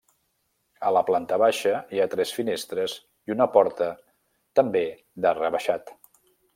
A la planta baixa, hi ha tres finestres i una porta, també d'arc rebaixat.